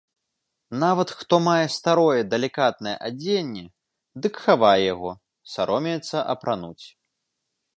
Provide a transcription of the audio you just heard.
Нават хто мае старое далікатнае адзенне, дык хавае яго, саромеецца апрануць.